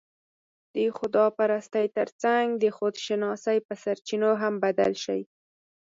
د خدا پرستۍ تر څنګ، د خودشناسۍ په سرچينو هم بدل شي